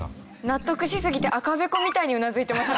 納得しすぎて赤べこみたいにうなずいてました。